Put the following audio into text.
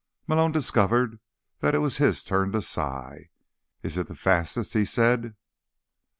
Malone discovered that it was his turn to sigh. "Is it the fastest?" he said.